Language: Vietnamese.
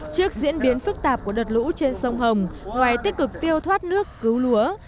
trước diễn biến phức tạp của đợt lũ trên sông hồng ngoài tích cực tiêu thoát nước cứu lúa